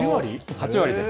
８割です。